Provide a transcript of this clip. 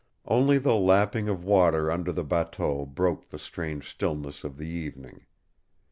Only the lapping of water under the bateau broke the strange stillness of the evening.